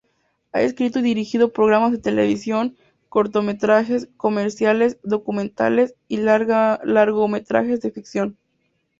Ha escrito y dirigido programas de televisión, cortometrajes, comerciales, documentales y largometrajes de ficción.